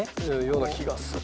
ような気がする。